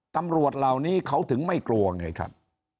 ตำรวจเหล่านี้เขาถึงไม่กลัวไงครับ